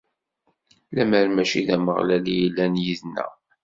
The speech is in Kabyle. Lemmer mačči d Ameɣlal i yellan yid-neɣ.